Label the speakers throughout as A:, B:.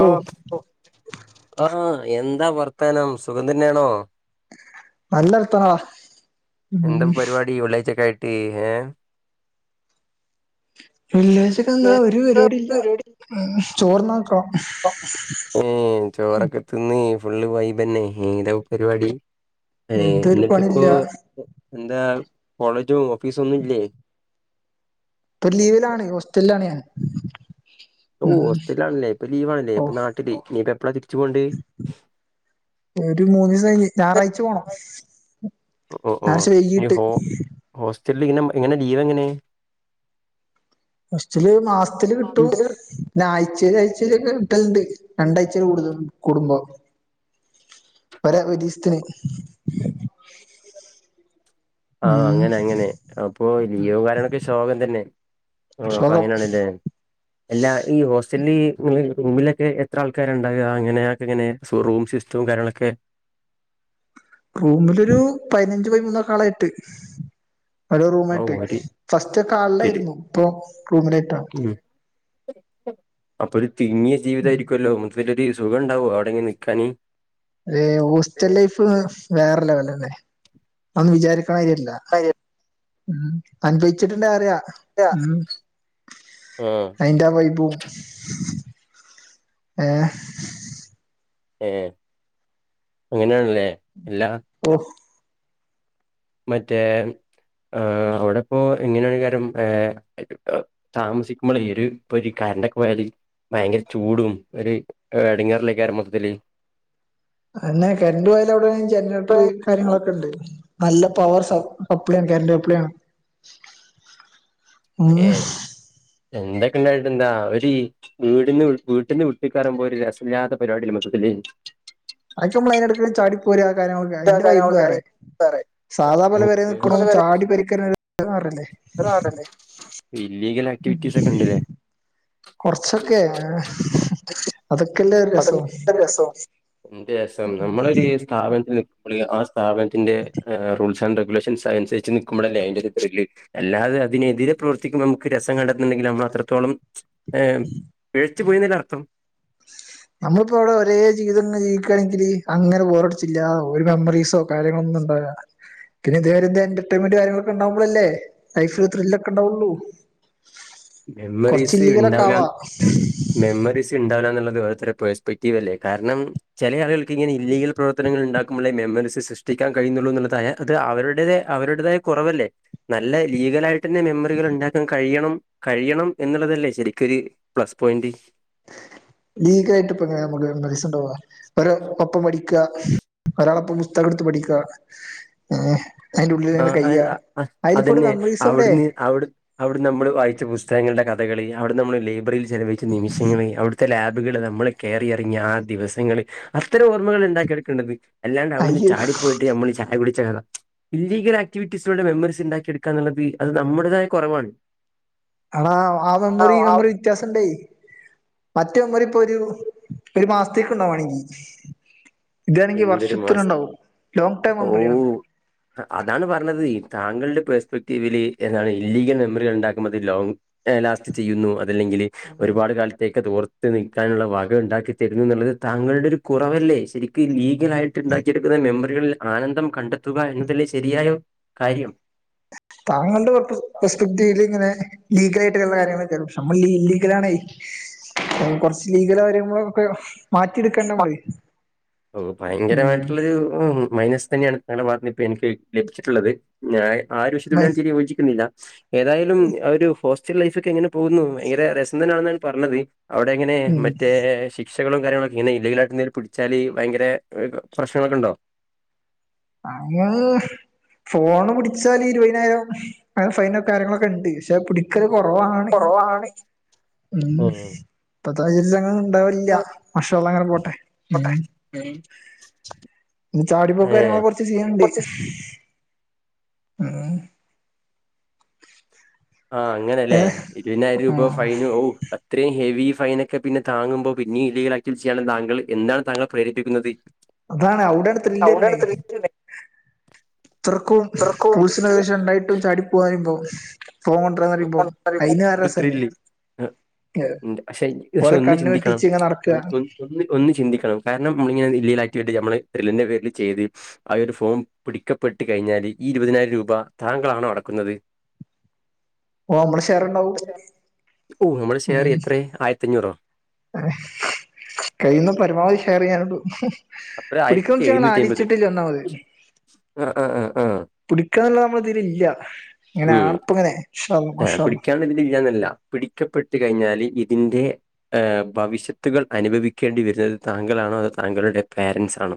A: ഓ
B: law ആഹ് എന്താ വർത്താനം സുഖംതന്നെയാണോ
A: നല്ലർത്താനം
B: എന്താ പരിപാടി വെള്ളിയാഴിച്ചൊക്കായിട്ട് ഏഹ്
A: വെള്ളിയാഴ്ച്ചൊക്കെന്താ ഒരു പരിപാടില്ല. ഹ്മ്മ് ചോറ്ന്നാൻ നിക്കണം.
B: ഹ്മ്മ് ചോറൊക്കെ തിന്ന് ഫുള്ള് വൈബന്നെ ഏതെരവും പരിപാടി ഏഹ്
A: എന്തൊരു
B: ഇന്നട്ട്പ്പോ
A: പണില്ല
B: എന്താ കോളേജും ഓഫീസൊന്നുല്ലേ
A: ഇപ്പം ലീവിലാണ് ഹോസ്റ്റലാണ് ഞാൻ.
B: ഓഹ്
A: ഉം
B: ഹോസ്റ്റൽല്ലാണ്ല്ലേ ഇപ്പൊ ലീവാണ്ല്ലേ
A: ഓ
B: ഇപ്പ നാട്ടില് ഇനിയിപ്പം എപ്പളാ തിരിച്ചു പോവണ്ടിയേ
A: ഒരു മൂന്നീസം കഴിഞ്ഞ് ഞാറാഴ്ച്ച പോണം.
B: ഓഹ് ഓഹ്
A: ഞായറാഴ്ച
B: ഇനി
A: വൈകീട്ട്
B: ഫോ ഹോസ്റ്റലില് ഇങ്ങനെ എങ്ങനെ ലീവെങ്ങനെ
A: ഫസ്റ്റ്ല് മാസ്ത്തില് കിട്ടും പിന്നെ ആഴ്ചേല് ആഴ്ചേലൊക്കെ കിട്ടല്ണ്ട് രണ്ടാഴ്ച കൂടു കുടുംബോ ഒര ഒരീസ്ത്തിന്
B: ആഹ് അങ്ങനെ അങ്ങനെ അപ്പൊ ലീവുംകാര്യങ്ങളൊക്കെ ശോകം തന്നെ ആഹ്
A: ശോകം
B: അപ്പഅങ്ങനാണ്ല്ലേ അല്ലാ ഈ ഹോസ്റ്റൽലീ റൂ റൂമിലൊക്കെ എത്ര ആൾക്കാരാണ്ടാകാ അങ്ങനെ അയൊക്കെങ്ങനേ സോ റൂം സിസ്റ്റവും കാര്യങ്ങളൊക്കെ
A: റൂമിലൊരു പയ്നഞ്ച്, പൈമൂന്നോക്കാളക്കായിട്ട്. ഒരോ
B: ഓ
A: റൂമായിട്ട്
B: ഒരു
A: ഫസ്റ്റ്ക്കെ
B: ശരി
A: ഹാളിലായിരുന്നു ഇപ്പൊ റൂമ്നേറ്റാ
B: അപ്പൊരു തിങ്ങിയ ജീവിതായിരിക്കൊല്ലോ, മൊത്തത്തിലൊര് സുഖം ഇണ്ടാവോ അവിടെങ്ങനെ നിക്കാന്
A: യേ ഹോസ്റ്റൽ ലൈഫ് വേറെര് ലെവലെന്നെ അഒന്നും വിചാരിക്കണമാര്യല്ല
B: അയ്യോ.
A: ഉം അനുഭവിച്ച്ട്ട്ണ്ടെ അറിയാഉം
B: ആഹ്
A: അയിന്റെ ആ വൈബും ഏഹ്
B: ഏ അങ്ങനെണ്ല്ലേ എല്ലാ
A: ഓഹ്
B: മറ്റേ ഏഹ് അവിടെപ്പോ എങ്ങനേണെയ്ക്കാരം താമസിക്കുമ്പളെയ് ഈഒര് പ്പൊര് കാര്ണ്ടൊക്കെ പോയാല് ഭയങ്കര ചൂടും, ഒരു എട്ങ്ങേറല്ലെയ്ക്കാരം മൊത്തത്തില്.
A: അങ്ങനെ കര്ണ്ട് പോയാല് അവിടെ ജനറേറ്റർ കാര്യങ്ങളൊക്കെ ഉണ്ട്. നല്ല പവർ സ സപ്ലൈ ആണ് കര്ന്റ് സപ്ലൈ ആണ്. ഉം
B: ഏ എന്തെക്കെണ്ടായിട്ടെന്താ ഒര് വീടിന്ന് വീട്ടീന്ന് വിട്ട്ക്കാറിമ്പോ ഒരു രസല്ല്യാത്ത പരിപാടിയല്ലേ മൊത്തത്തില്.
A: അയ്ക്കെ അമ്മളയ്നെടക്ക് ചാടി പോരാ കാര്യങ്ങളൊക്കെ അയ്ന്റെ വൈബ് വേറെ സാധാ പോലെ പെരേ നിക്ക്ണഹും ചാടി പെരി ക്കെര്ണ ര് അഹ് വേറല്ലേ
B: ഒര് [unintelligible] ഇല്ലീഗലായി
A: ഉം കൊർച്ചൊക്കെ, അതൊക്കെല്ലെ
B: പ്പത്തെ [unintelligible] രസം എന്ത് രെസം നമ്മളൊര് സ് സ്ഥാപനത്തില് നിക്കുമ്പള് ആ സ്ഥാപനത്തിന്റെ റൂൾസ് ആൻ റെഗുലേഷൻസ് അനുസരിച്ച് നൽക്കുമ്പളല്ലെ അതിൻ്റെ ഒരു ത്രില്ല്. അല്ലാതെ അതിനെതിരെ പ്രവർത്തിക്കുമ്പൊ നമുക്ക് രസം കണ്ടെത്തുന്ന്ണ്ടെങ്കിൽ നമ്മളത്രത്തോളം ഏ പിഴിച്ചു പോയിന്നല്ലേ അർത്ഥം.
A: നമ്മളിപ്പോ അവിടെ ഒരേ ജീവിതം ങ്ങനെ ജീവിക്കാണെങ്കില് അങ്ങനെ ബോറടിച്ചില്ലതാവും ഒരു മെമ്മറീസോ കാര്യങ്ങളൊന്നും ഇണ്ടാവൂല പിന്നെ ഇതേമാരിത്തെ എന്റർടൈൻമെന്റ് കാര്യങ്ങളൊക്കെണ്ടാവുമ്പോളല്ലേ, ലൈഫില് ഒര് ത്രില്ലൊക്കെണ്ടാവൊള്ളൂ. കൊറച്ച്
B: മെമ്മറീസ്
A: ഇല്ലിഗലൊക്കെ
B: ഉണ്ടാവില്ല
A: ആവാ
B: മെമ്മറീസ് ഇണ്ടാവൂലാന്ന്ള്ളത് ഓരോര്ത്തരെ പേഴ്സ്പെക്റ്റീവ് അല്ലേ കാരണം ചെലേ ആളുകൾക്ക് ഇങ്ങനെ ഇല്ലീഗൽ പ്രവർത്തനങ്ങൾ ഇണ്ടാക്കുമ്പളേ മെമ്മറിസ് സൃ്ടിക്കാൻ കഴിയുന്നുള്ളൂ എന്നുള്ളതായ അത് അവരുടേത് അവരുടേതായ കൊറവല്ലേ നല്ല ലീഗലായി ട്ടെന്നെ മെമ്മറികൾ ഉണ്ടാക്കാൻ കഴിയണം കഴിയണം എന്നുള്ളതല്ലേ ശരിക്കൊര് പ്ലസ് പോയന്റ്
A: ലീഗായിട്ട് ഇപ്പ എങ്ങനെ അമ്മക്ക് മെമ്മറിസ്ണ്ടാവാ പ്പൊര്ഒപ്പം പഠിക്കാ, ഒരാളൊപ്പം പുസ്തകം ഇട്ത്ത് പഠിക്കാ, ഏ
B: ആഹ് അ
A: ഒരു
B: അതന്നെ
A: മെമ്മറീസ് അവിടെ
B: അവിടുന്ന് അവിട് അവിട്ന്ന് നമ്മൾ വായിച്ച പുസ്തകങ്ങളുടെ കഥകള് അവിട്ന്നമ്മള് ലൈബ്രറില് ചെലവഴിച്ച നിമിഷങ്ങള് അവിട്ത്തെ ലാബുകള് നമ്മള് കേറിയിറങ്ങിയ ആഹ് ദിവസങ്ങള്, അത്തരം ഓർമ്മകൾ ഉണ്ടാക്കി എടുക്കേണ്ടത്. അല്ലാണ്ട് അവിടുന്ന്
A: അയ്യോ
B: ചാടിപ്പോയിട്ട് നമ്മള് ചായ കുടിച്ച കഥ ഇല്ലീഗൽ ആക്ടിവിറ്റീസിലുടെ മെമ്മറീസ് ഉണ്ടാക്കിയെടുക്കാ എന്നുള്ളത് അത് നമ്മുടേതായ കുറവാണ്
A: ആട ആ മെമ്മറി ഈ
B: ആഹ്
A: മെമ്മറി വ്യത്യാസം ഉണ്ടേ മറ്റ മെമ്മറി ഇപ്പൊ ഒരു ഒരു മാസത്തേക്ക് ഉണ്ടാവണെങ്കി ഇതാണെങ്കി
B: എന്തൊരു മസ്
A: വർഷത്തിനുണ്ടാവും ലോങ്ങ് ടൈം മെമ്മറിയാണ്
B: ഓ അതാണ് പറഞ്ഞത് താങ്കളുടെ പേഴസ്പെക്റ്റീവില് എന്താണ് ഇല്ലീഗൽ മെമ്മറികൾ ഉണ്ടാക്കുമ്പോത്തേക്ക് ലോ ലാസ്റ്റ് ചെയ്യുന്നു അതല്ലെങ്കില് ഒരുപാട് കാലത്തേക്ക് അതോർത്ത് നിൽക്കാനുള്ള വക ഉണ്ടാക്കി തരുന്നു എന്നുള്ളത് താങ്കളുടെ ഒരു കുറവല്ലേ? ശരി ക്കും ലീഗല ആയിട്ട് ഉണ്ടാക്കിയെടുക്കുന്ന മെമ്മറികളിൽ ആനന്ദം കണ്ടെത്തുക എന്നതല്ലെ ശരിയായ കാര്യം
A: താങ്കളുടെ കുറ പ്രസ്പക്തിയില് ഇങ്ങനെ ലീഗല ആയിട്ട് ഉള്ള കാര്യങ്ങളൊക്ക പക്ഷെ നമ്മൾ ഇലീഗലണ് അ കൊറച്ച് ലീഗില് കാര്യങ്ങള ഒക്കെയും
B: ഓ
A: ഉം
B: ഭയങ്കരമായിട്ടുള്ളൊരു ഉം മൈനസ് തന്നെയാണ് ഞങ്ങടെ ഭാഗത്ത് നിന്ന് ഇപ്പ എനിക്ക് ലഭിച്ചിട്ടുള്ളത് ഞാൻ ആഹ് ഒരു വിഷയത്തിനോട് തീരി യോജിക്കുന്നില്ല ഏതായാലും ആ ഒരു ഹോസ്റ്റൽ ലൈഫ് ഒക്കെ എങ്ങനെ പോകുന്നു ഭയങ്കര രസം തന്നെയാണെന്നാണ് പറഞ്ഞത് അവിടെ എങ്ങനെ
A: ഉം
B: മറ്റേ ശിക്ഷകളും കാര്യങ്ങളൊക് ഇങ്ങനെ ഇല്ലീഗലായിട്ട് എന്തേലും പിടിച്ചാല് ഭയങ്കര പ്രശ്നങ്ങളൊക്കെ ഉണ്ടോ
A: അത് ഫോണ് പിടിച്ചാല് ഇരുപതിനായിരം അ ഫൈനും കാര്യങ്ങളൊക്കെ ഉണ്ട് പക്ഷെ പിടി ക്കല് കുറവാണ്
B: കുറവാണ്.
A: ഉം ഇപ്പതൈയിലാന്നു ഉണ്ടാവല ഇല്ല
B: ഉം,
A: മഷാഅള്ള അങ്ങനെ പോട്ടെ
B: പോട്ടെ.
A: ഉം
B: ഉം
A: ചായക്കൊടിയ്കോ കാര്യങ്ങൾ
B: ഏഹ്.
A: ഒക്കെ കൊറച്ച് ചെയ്യണ്ട്
B: കുറച്ച്
A: ഉം
B: ആഹ് അങ്ങനല്ലേ
A: ഏഹ്
B: ഇരുപതിനായിരം രൂപ
A: ഉം
B: ഫൈനും ഓ ഇത്രയും ഹെവി ഫൈനൊക്കെ പിന്നെ താങ്ങുമ്പോൾ പിന്നെയും ഇല്ലികൽ ആയിട്ട് ചെയ്യാനും താങ്കൾ എന്താണ് താങ്കൾ പ്രേരിപ്പിക്കുന്നത്
A: അതാണ് അവിടൊണ് ത്രില്ല് വരണേ
B: അവിടെയാണ് ത്രില്ല്.
A: ഇത്രർക്കും
B: അത്രക്കും
A: റൂൾസ് ആൻഡ് റെഗുലേഷൻ ഉണ്ടായിട്ടും ചാടി പോകാന്നു പറയുമ്പോ ഫോൺ കൊണ്ടരുവന്ന് പറയുമ്പോ അയിന് വേറെ രസല്ലേ
B: ആ ഉണ്ട് പക്ഷെ പക്ഷെ
A: ഓലെ
B: ഒന്ന്
A: കണ്ണ്
B: ചിന്തിക്കണം
A: വെട്ടിച്ച് ഇങ്ങനെ
B: ഒ
A: നടക്കുക
B: ഒ ഒന്ന് ഒന്ന് ചിന്തിക്കണം കാരണം നമ്മളിങ്ങനെ ഇല്ലികൽ ആറ്റിവിക്റ്റി നമ്മള് ത്ല്ലിന്റെ പേരിൽ ചെയ്ത് ആഹ് ഒരു ഫോം പിടിക്കപ്പെട്ടു കഴിഞ്ഞാല് ഈ ഇരുപതിനായിരം രൂപ താങ്കളാണോ അടക്കുന്നത്
A: ആഹ് നമ്മള് ഷെറുണ്ടാവും
B: ഓ നമ്മുടെ ഷെയർ എത്രേ ആയിരത്തഞ്ഞൂറോ
A: അ കയ്ന്ന് പരമാവധി ഷെയർ ഞാൻ ഇടും
B: അപ്പഴ
A: പിടിക്ക
B: ആയിരത്തി
A: ഒന്ന്ച്ചങ്ങള്
B: എഴുന്നൂറ്റി അമ്പത്
A: ആലിച്ചിട്ടില്ല ഒന്നാമത്
B: ആഹ് ആഹ് ആഹ് ആഹ്
A: പിടിക്ക എന്നുള്ള നമ്മള തീരെ ഇല്ല ഇങ്ങനെ ആടുപ്പ ഇങ്ങനെ ഇൻശാ അള്ളാ മാഷ അള്ള
B: ഞാൻ നിൻ്റെ [unintelligible] പിടിക്കപ്പെട്ടുകഴിഞ്ഞാല് ഇതിൻ്റെ ഏഹ് ഭവിഷ്യത്തുകൾ അനുഭവിക്കേണ്ടി വരുന്നത് താങ്കളാണോ അതോ താങ്കളുടെ പേരൻറ്സ് ആണോ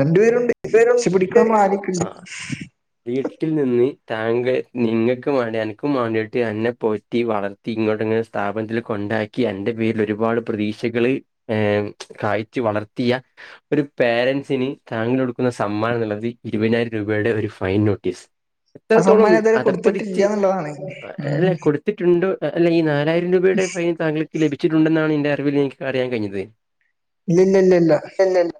A: രണ്ടു പേരുണ്ട്
B: വെറും
A: പക്ഷെ പിടിക്കണം ആരൊക്കെ ഉണ്ട്
B: ആഹ് വീട്ടിൽ നിന്ന് താങ്കൾ നിങ്ങൾക്ക് വേണ്ടി എനക്കവേണ്ടിയിട്ട് എന്നെ പോറ്റി വളർ ഇങ്ങോട്ടങ്ങനെ സ്ഥാപനത്തിൽ കൊണ്ടാക്കി അന്റെ പേരിൽ ഒരുപാട് പ്രതീക്ഷകള് ഏഹ് കാഴ്ചു വളർത്തിയ ഒരു പേരൻസിന് താങ്കളോടു ന്സമ്മാന നോന്നിള്ളത് ഇരുപതിനായിരം രൂപയുടെ ഒരു ഫൈൻ നോട്ടീസ്
A: ആ
B: അത്രത്തോളം
A: സമ്മാനം ഇതുവരെ കൊടുത്തിട്ടില്ല
B: അധപ്പതിച്ച്
A: എന്നുള്ളതാണ് ഉം
B: അല്ലെ കൊടു എത്തിട്ടുണ്ടോ അല്ലെ ഈ നാലായിരം രൂപയുടെ ഫൈൻ താങ്കൾക്ക് ലിച്ചിട്ടുണ്ടെന്നാണ് എന്റെ അറിവിൽ എനിക്ക്റിയാൻ കഴിഞ്ഞത്
A: ഇല്ല ഇല്ല ഇല്ല ഇല്ല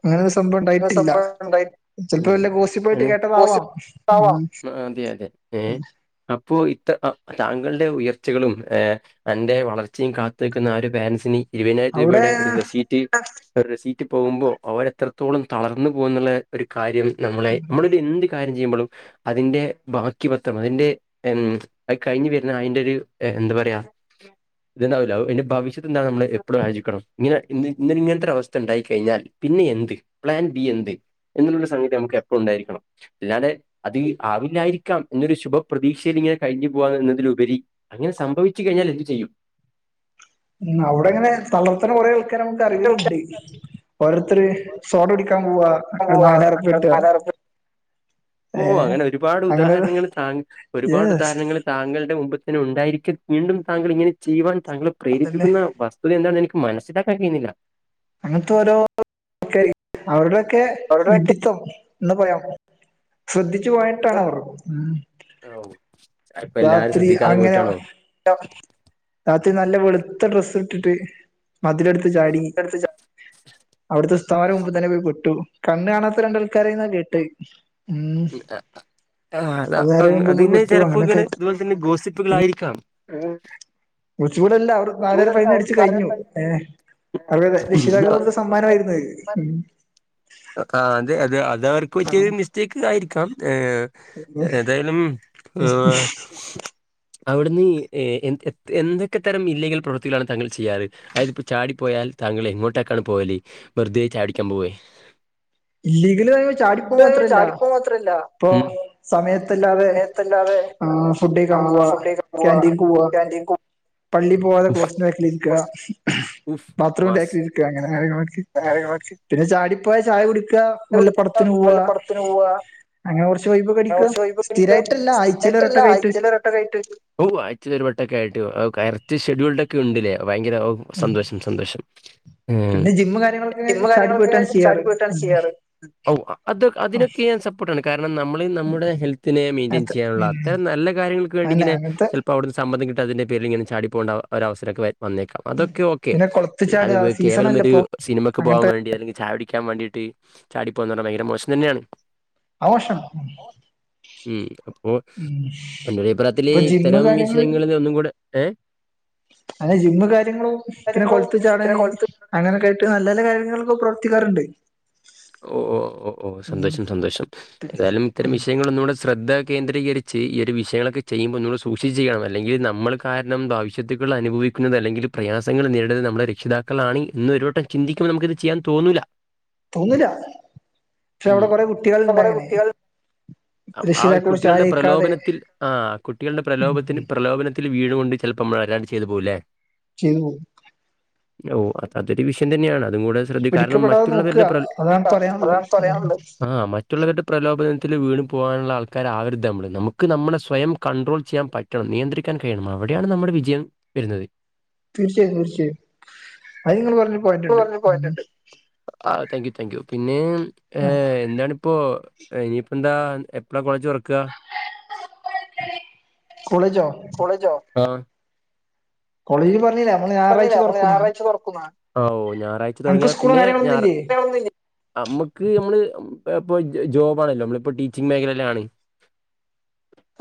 A: അങ്ങനെ ഒരു സംഭവം ഉണ്ടായിട്ടില്ല
B: സംഭവം ഉണ്ടായി
A: ചിലപ്പോ
B: ഉം
A: വല്ല ഗോസി പ്പായിട്ട്
B: ആണ്
A: കേട്ടതാവാം
B: പോസിബിളാവാം
A: ഉം
B: അതെ അതെ ഏ
A: പിന്നെ
B: അപ്പോ ഇത്ര താങ്കളുടെ ഉയർച്ചകളും ഏ എന്റെ വളർച്ചയും കാത്ത് നിക്കുന്ന ആ ഒരു പ്യാരൻസിന് ഇരുപതിനായിരം
A: അവിടെ
B: രൂപയുടെ ഒരു റസീറ്റ് റെസീറ്റ് പോകുമ്പോൾ അവർ എത്രത്തോളം തളർന്നു പോകൂ എന്നുള്ള ഒരു കാര്യം നമ്മളെ നമ്മളൊരു എന്ത് കാര്യം ചെയ്യുമ്പൊഴും അതിന്റെ ബാക്കി പത്രം അതിന്റെ ഉം അത് കഴിഞ്ഞ് വരുന്ന അയിന്റെ ഒരു എന്ത് പറയാ ഇത്ണ്ടാവില്ലോ എതിന്റെ ഭവിഷ്യത്ത് എന്താണ് നമ്മൾ എപ്പോഴും ആലോചിക്കണം ഇങ്ങനെ ഇ ഇങ്ങനത്തെ ഒരു അവസ്ഥ ഉണ്ടായി കഴിഞ്ഞാൽ പിന്നെ എന്ത് പ്ലാൻ ബി എന്ത് എന്നുള്ളൊരു സംഗതി നമുക്ക് എപ്പൊഴും ഉണ്ടായിരിക്കണം ഞാനത് അത് ആവില്ലായിരിക്കാം എന്നൊരു ശുഭപ്രതീക്ഷയിൽ ഇങ്ങനെ കഴിഞ്ഞു പോവാ എന്നതിലുപരി അങ്ങനെ സംഭവിച്ചു കഴിഞ്ഞാൽ എന്ത് ചെയ്യും
A: ഉം അവിടെങ്ങനെ തളർത്തണ കുറേ ആൾക്കാരമുക്ക് അറിവിലുണ്ട് ഓരോരുത്തരു സോഡ കുടിക്കാൻ പോവാ നാലാറുപ്പിയിട്ട്
B: ഓ അങ്ങനെ ഒരുപാട്
A: അങ്ങനെ
B: ഉദാഹരണങ്ങള് താൻ ഒരുപാട്
A: യെസ്
B: ഉദാഹണങ്ങള് താങ്കളുടെ മുമ്പിൽ തന്നെ ഉണ്ടായിരിക്കെ വീണ്ടും താങ്കൾ ഇങ്ങനെ ചെയ്യുവാൻ താങ്കളെ
A: അതന്നെ
B: പ്രേരിപ്പിക്കുന്ന വസ് തഎന്താണെന്ന് എനിക്ക് മനസ്സിലാക്കാൻ കഴിന്നില്ല
A: അങ്ങനത്തെ ഓരോ അവരുടെയൊക്കെ വിഡ്ഢിത്തം ഒന്ന് [unintelligible] പോയാം ശ്രദ്ധിച്ചു പോയ [unintelligible]
B: ഓ
A: രാത്രി അങ്ങനെ
B: ഓക്ക [inaudible]
A: രാത്രി നല്ല വെളുത്ത ഡ്രസ്സ് ഇട്ടിട്ട് മതിൽ എടുത്ത് ചാടി അവിടുത്തെ ഉസ്താദന്മാരെ മുമ്പ് തന്നെ പോയി പെട്ടു കണ്ണ് കാണാത്ത രണ്ടാൾക്കാരായിന്നാ കിട്ടി
B: ആ
A: അത് നേരെ മുമ്പ് പോയി
B: അതന്നെ
A: പെട്ടു
B: ചെലപ്പൊ
A: അങ്ങനൊക്കെ
B: ഇങ്ങനെ
A: ആയിട്ട്
B: അതുപോലെ തന്നെ ഗോസി പ്പുകളായിരിക്കാം
A: കുറച്ച് കൂടല്ല അവർ നാലായിരം ഫൈൻടച്ചു കഴിഞ്ഞു ഏ അവരെ രക്ഷിതാക്കളെ മര [unintelligible]
B: ആ അതെ അത് അത അവർക്ക്
A: ആഹ്
B: വലിയൊരു മിസ്റ്റേക്ക് ആയിരിക്കാം ഏ ഏതായാലും ഏ അവിടുന്ന് എന്തൊക്കെ തരം ഇല്ലീഗൽ പ്രവൃത്തികളാണ് താങ്കൾ ചെയ്യാറ് അത് ഇപ്പൊ ചാടിപ്പോയാൽ താങ്കൾ എങ്ങോട്ടേക്കാണ് പോവല് വെറുതെ ചായുടിക്കാൻ പോവേ
A: ഇല്ലീഗലാ ചാടി പ്പ മാത്രല്ല
B: ചാടിപ്പോ മാത്രല്ല
A: ഇപ്പൊ സമയത്തല്ലാതെ
B: സമയത്തല്ലാതെ
A: ഫുഡയിക്കാൻ പോവ
B: പോവ്വാ കാന്റീൻ പോ
A: പള്ളി പോവാതെ ക്ലാസ്സിന്റെ ബാക്കിലിക്ക
B: ഉഫ് മാസ്
A: ബാത്രറൂമന്റൊക്കിലിരിക്കുക അങ്ങനെ കാര്യങ്ങളൊക്കെ പിന്നെ ചാടിപ്പോയചായ കുടിക്കുക വല്ല
B: കുടിക്ക
A: പടത്തിന്
B: വല്ല
A: പോവാ
B: പടത്തിന് പോവാ
A: അങ്ങനെ കൊറച്ച് വൈബൊക്കെ
B: അങ്ങനെ
A: അടിക്കുക
B: കുറച്ച് വൈബൊക്കെ അടിക്ക
A: സ്ഥിരായിട്ടല്ല ആഴ്ച്ചൽ
B: സ്ഥിരായിട്ടല്ല
A: ഒരോട്ടോക്കായിട്ട്
B: ആഴ്ചയിൽ ഓ അയ്ച്ചേലൊരുവട്ടൊക്കെ ആയിട്ട് കറക്റ്റ് ഷെഡ്യൂൾഡ് ഒക്കെ ഉണ്ടല്ലേ ഭയങ്കര സന്തോഷം സന്തോഷം
A: പിന്നെ ജിമ്മ് കാര്യങ്ങളൊക്കെ
B: ഡ്രിമ്മ് [unintelligible]
A: ചാടി
B: കാര്യങ്ങളൊക്കെ
A: പോയിട്ടാണ്
B: ചാടി
A: ചെയ്യാറ്
B: പോയിട്ടാണ് ചെയ്യാറ് ഓ അത
A: ഉം
B: അതിനൊക്കെ ഞാൻ സപ്പോർട്ടാണ് കാരണം നമ്മള് നമ്മുടെ ഹെൽത്തിനെ മെയിന്റയിൻ
A: അത്
B: ചെയ്യാനുള്ള
A: ഉം
B: ഇത്തരം നല്ല കാര്യങ്ങൾക്ക് വേണ്ടി
A: അതന്നെ
B: ഇങ്ങനെ
A: അങ്ങനത്തെ
B: ചെൽ അപ്പോ അവട്ന്ന് സമ്മതം കിട്ടാത്തേന്റെ പേരില് ഇങ്ങനെ ചാടി പോവണ്ട ഒര അവസരക്കെ വെ വന്നേക്കാ അതൊക്കെ ഓക്കെ
A: പിന്നെ കൊളത്തി
B: അത്
A: ചാടുക
B: വേ കേവലം
A: സീസണല്ല
B: ഒരു
A: ഇപ്പൊ
B: സിനിമക്ക് പോവാൻ
A: അങ്ങനത്തെ
B: വേണ്ടി അല്ലെങ്കി ചായ കുടിക്കാൻ വേണ്ടിട്ട് ചാടി പോകാന്നർഞ്ഞ ഭയങ്കര മോശം തന്നെയാണ്
A: അഹ് മോശം
B: ഉം അപ്പോ എന്റൊരു അഭിപ്രായത്തില്
A: ഇപ്പൊ ജിമ്മ്
B: ഇത്തരം
A: കാര്യങ്ങള്
B: വിഷയങ്ങളിലൊന്നുക്കൂടെ ഏഹ്
A: അല്ല ജിമ്മ് കാര്യങ്ങളും പിന്നെ
B: കാര്യങ്ങളും
A: കൊളത്ത്
B: പിന്നെ
A: ചാടാന്
B: കൊളത്ത്
A: അങ്ങനൊക്കായിട്ട് നല്ലത് കാര്യങ്ങള്ക്ക് പ്രവർത്തിക്കാറ്ണ്ട്
B: ഓഹ് ഓഹ് ഓഹ് ഓഹ് സന്തോഷം സന്തോഷം ഏതായാലും ഇത്തരം വിഷയങ്ങള് ഒന്നൂടെ ശ്രദ്ധകേന്ദ്രീകരിച്ച് ഈ ഒരു വിഷയങ്ങളൊക്കെ ചെയ്യുമ്പോ ഒന്നൂടെ സൂക്ഷിച്ച് ചെയ്യണം അല്ലെങ്കിൽ നമ്മള് കാരണം ഭാവിശ്യത്തുകള് അനുഭവിക്കുന്നത് അല്ലെങ്കില് പ്രയാസങ്ങൾ നേരിടുന്നത് നമ്മളെ രക്ഷിതാക്കളാണ് എന്നരു ടെ ചിന്തിക്കുമ്പോ നമ്മക്കത് ചെയ്യാൻ തോന്നൂല്ല
A: തോന്നൂല്ല പക്ഷേ
B: ഉം
A: അവടെ കൊറെ കുട്ടികൾ ഇണ്ടങ്ങനെ
B: ആഹ് ആ ഒരു കുട്ടികള്ടെ പ്രലോഭനത്തിൽ ആഹ് കുട്ടികള്ടെ പ്രലോഭനത്തിന് പ്രലോഭന ത്തില് വീണ് കൊണ്ട് ചെലപ്പം അമ്മള് അറിയാണ്ട് ചെയ്തു പോവുലേ
A: ചെയ്ത് പോവും
B: ഓഹ് അത് അതൊരു വിഷയം തന്നെയാണ് അതും കൂടെ ശ്രദ്ധി കാരണം
A: പിടിക്കപ്പെടാതെ നോക്കുക
B: മറ്റുള്ളവരുടെ പ്ര
A: അതാണ് പറയാനുള്ളത്
B: അതാണ്
A: ഉം
B: പറയാനുള്ളത് ആഹ് മറ്റുള്ളവരുടെ പ്രലോഭനത്തില് വീണും പോവാനുള്ള ആൾക്കാർ ആവരുത് നമ്മള് നമുക്ക് നമ്മളെ സ്വയം കണ്ട്രോൾ ചെയ്യാൻ പറ്റണം നിയന്ത്രിക്കാൻ കഴിയണം അവിടെയാണ് നമ്മുടെ വിജയം വരുന്നത്
A: തീർച്ചയായും തീർച്ചയായും അത് നിങ്ങള് പറ്ഞ്ഞെ
B: നിങ്ങള്
A: പോയിന്റ്ണ്ട്
B: പറഞ്ഞ
A: ഉം
B: പോയിന്റ് ഉണ്ട് ആഹ് താങ്ക്യു താങ്ക്യു പിന്നേം ഏഹ് എന്താണ് ഇപ്പൊ ഇനിയിപ്പെന്താ എപ്പളാ കോളേജൊറ്ക്കാ
A: കോളേജോ
B: കോളേജോ ആഹ്
A: കോളേജിൽ പറഞ്ഞീലെ
B: പറഞ്ഞില്ലേ കോളേജ് ഞായറാഴിച തൊറക്കുന്ന് ആഹ് ഓഹ് ഞായറാഴ്ച
A: അനക്ക്
B: തൊടങ്ങിയാ
A: സ്കൂളും
B: പിന്നെ
A: കാര്യങ്ങളൊന്നും
B: ഞാറ
A: ഇല്ലേ
B: [unintelligible] അമ്മക്ക് അമ്മള് പേ പോ ജോ ജോബാണല്ലോ അമ്മളിപ്പോ ടീച്ചിങ് മേഖലേലാണ്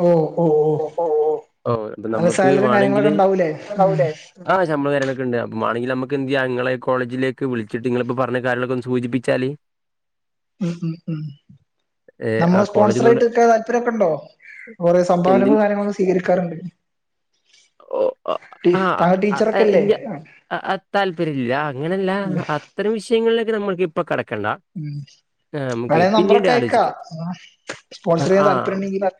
A: ഓഹ് ഓഹ്
B: ഓഹ് ഓഹ് ആഹ് ഇപ്പോ നമ്മക്ക്
A: കാര്യങ്ങളൊക്കെ
B: വാണെങ്കില്
A: ഉണ്ടാവൂലേ
B: [unintelligible]
A: ഉം
B: ഇണ്ടാവൂല്ലെ ആഹ് ശമ്പളം കാര്യങ്ങളൊക്കെണ്ട് അപ്പ മാണെങ്കില് അമ്മക്ക് എന്തെയ്യാ ഇങ്ങളെ കോളജിലേക്ക് വിള്ച്ചിട്ട് ഇങ്ങള്പ്പോ പറ്ഞ്ഞ കാര്യങ്ങളൊക്കൊന്ന് സൂചിപ്പിച്ചാല്
A: ഉം ഉം ഉം
B: ഏ ആ
A: നമ്മളെ
B: കോളേജിന്നോട്
A: സ്പോൺസറായിട്ട് നിക്കാൻ താല്പര്യംക്കെണ്ടോ കൊറേ
B: എന്തിന്
A: സംഭാവനകളും കാര്യങ്ങളൊക്കെ സ്വീകരിക്കാറുണ്ട്
B: ഓഹ് ആഹ്
A: ടീ
B: ആഹ്
A: താങ്കൾ
B: ആഹ്
A: ടീച്ചറൊക്കെ
B: ഏഹ്
A: അല്ലേ
B: ഇല്ല്യാ ആഹ് ആഹ് താല്പര്യല്ല അങ്ങനല്ലാ
A: ഉം
B: ഇന്നാ അത്തരം വിഷയങ്ങള്ലേക്ക് നമ്മള്ക്ക് ഇപ്പം കടക്കണ്ട
A: ഉം
B: നമുക്ക്
A: വേണെ
B: പിന്നീട്
A: നമ്പറൊക്കെ
B: ആലോചിക്കാം
A: അയക്കാ സ്പോൺസറെയ്യാൻ താല്പര്യണ്ടെങ്കില്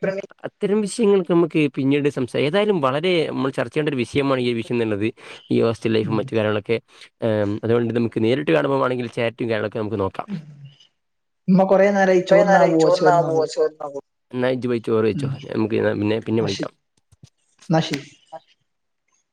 B: ത്തരം വിഷയങ്ങൾക്ക് അമ്മക്കെ പിന്നീട് സംസാരി ഏതാലും വളരെ അമ്മൾ ചർച്ച ചെയ്യേണ്ട ഒരു വിഷയമാണ് ഈ വിഷയെന്നത് ഈ ഹോസ്റ്റല് ലൈഫും
A: ഉം
B: മറ്റ് കാര്യങ്ങളൊക്കെ ഏഹ് ഉം അതുകൊണ്ട് നമുക്ക് നേരിട്ട് കാണുമ്പോമാണെങ്കില് ചാറ്റും കാര്യങ്ങളൊക്കെ നമുക്ക് നോ [unintelligible]
A: ഇമ്മ കൊറേ നേരായ്
B: [unintelligible] നേരായി ചോർന്നാപോവാ ചോറ്ന്നാം പോവാ ഇന്നാ ഇജ്ജ് പോയി ചോർ
A: ഉം
B: വൈച്ചോ നമുക്ക് ഇന്നാ പിന്നെ പിന്നെ വിളിക്കാം
A: ന്നാ ശരി
B: ആഹ്